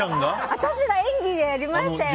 私が演技をやりましたよ。